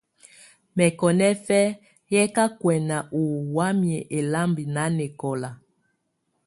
Mɛkɔnɛfɛ yɛ ka kuɛ̀na ɔ wamɛ̀á ɛlamba nanɛkɔla.